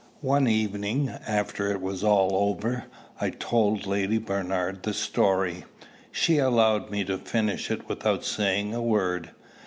One evening, after it was all over, I told Lady Bernard the story. She allowed me to finish it without saying a word.